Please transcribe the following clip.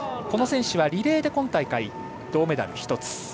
この選手はリレーで今大会銅メダルが１つ。